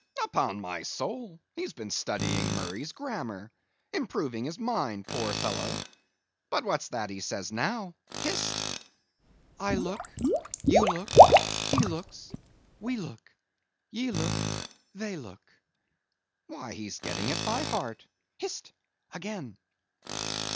"Upon my soul, he's been studying Murray's Grammar! Improving his mind, poor fellow! But what's that he says now—hist!" "I look, you look, he looks; we look, ye look, they look." "Why, he's getting it by heart—hist! again."